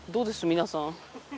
皆さん。